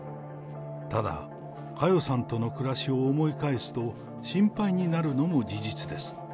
ただ佳代さんとの暮らしを思い返すと、心配になるのも事実です。